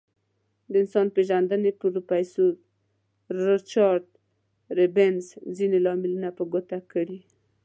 د انسان پیژندنې پروفیسور ریچارد رابینز ځینې لاملونه په ګوته کړي.